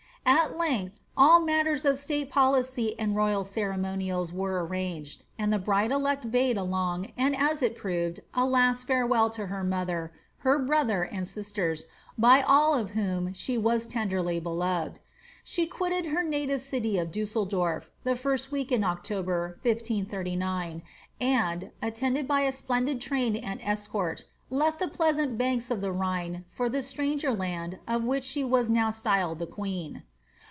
At length all meitrrs of stale policy and royal ceremonials weic amnged, and the bride elect bade a long, and, as it proved, a last fare well to her mother, her brother, and sisiera, by all of whom she waa tenderly beloved. She quitted her native city of Dusseldorf, the first week in October 1S39, and, attended by a splendid train and escort, left the pleasant banks of the Rhine for the atranger Iand of which ahe wa« DOW styled the queen.